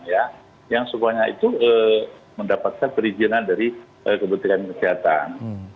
yang semuanya itu mendapatkan perizinan dari kementerian kesehatan